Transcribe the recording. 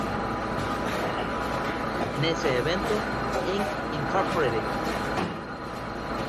En ese evento, Ink Inc.